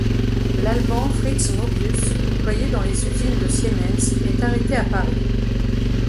L'Allemand Fritz Möbius, employé dans les usines de Siemens, est arrêté à Paris.